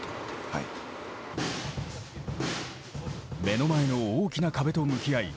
目の前の大きな壁と向き合い